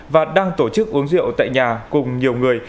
và đang tổ chức uống rượu tại nhà cùng nhiều người